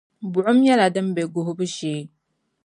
Buɣum nyɛla din be guhibu shee.